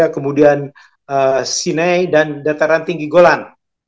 kemudian sine dan dataran tinggi golan